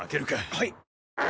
はい。